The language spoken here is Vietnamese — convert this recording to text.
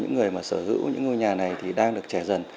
những người sở hữu những ngôi nhà này đang được trẻ dần